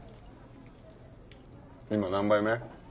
今何杯目？